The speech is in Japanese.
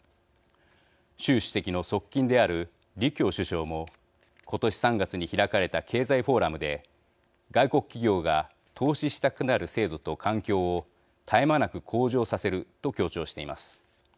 習主席の側近である李強首相も今年３月に開かれた経済フォーラムで外国企業が投資したくなる制度と環境を絶え間なく向上させると強調しています。